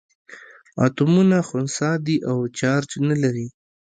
اتومونه خنثي دي او چارج نه لري.